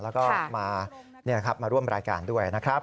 แล้วก็มาร่วมรายการด้วยนะครับ